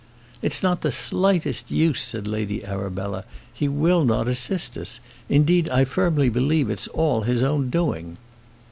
"It's not the slightest use," said Lady Arabella. "He will not assist us. Indeed, I firmly believe it's all his own doing."